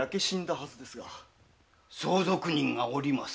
相続人がおります。